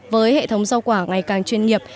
với hệ thống giao quả ngày càng chuyên nghiệp